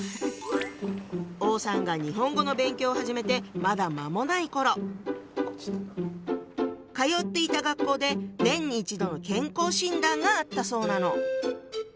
王さんが日本語の勉強を始めてまだ間もない頃通っていた学校で年に一度の健康診断があったそうなの。